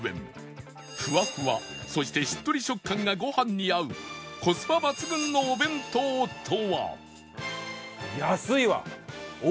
ふわふわそしてしっとり食感がご飯に合うコスパ抜群のお弁当とは？